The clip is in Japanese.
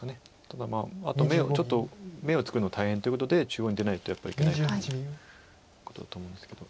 ただあとちょっと眼を作るの大変ということで中央に出ないとやっぱりいけないということだと思うんですけど。